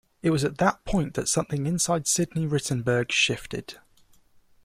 It was at that point that something inside Sidney Rittenberg shifted.